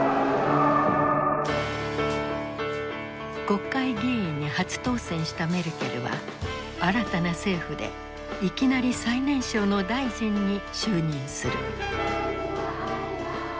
国会議員に初当選したメルケルは新たな政府でいきなり最年少の大臣に就任する。